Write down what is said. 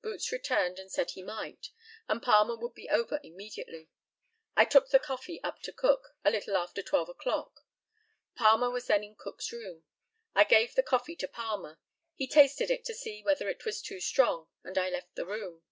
Boots returned and said he might, and Palmer would be over immediately. I took the coffee up to Cook a little after twelve o'clock. Palmer was then in Cook's room. I gave the coffee to Palmer. He tasted it to see whether it was too strong, and I left the room.